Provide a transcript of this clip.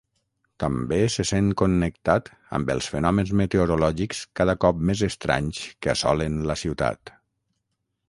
També se sent connectat amb els fenòmens meteorològics cada cop més estranys que assolen la ciutat.